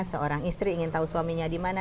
seorang istri ingin tahu suaminya dimana